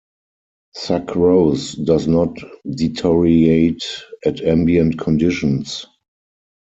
Sucrose does not deteriorate at ambient conditions.